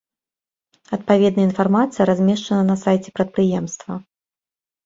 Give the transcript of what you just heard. Адпаведная інфармацыя размешчана на сайце прадпрыемства.